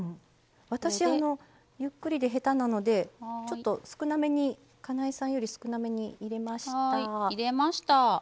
私、ゆっくりで下手なのでちょっと、かなえさんより少なめに入れました。